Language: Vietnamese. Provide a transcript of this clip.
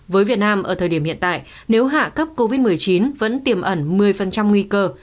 với việt nam ở thời điểm hiện tại nếu hạ cấp covid một mươi chín vẫn tiềm ẩn một mươi nguy cơ